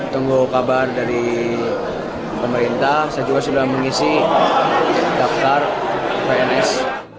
tunggu kabar dari pemerintah saya juga sudah mengisi daftar pns